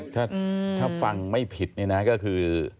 ถ้าฟังไม่ผิดนี่นะก็คือ